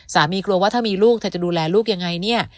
กลัวว่าถ้ามีลูกเธอจะดูแลลูกยังไงเนี่ย